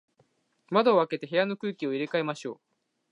窓を開けて、部屋の空気を入れ替えましょう。